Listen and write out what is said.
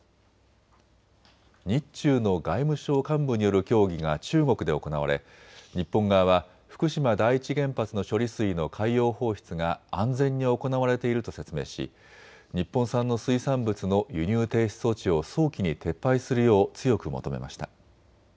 日中の外務省幹部による協議が中国で行われ日本側は福島第一原発の処理水の海洋放出が安全に行われていると説明し日本産の水産物の輸入停止措置を早期に撤廃するよう強く求めました。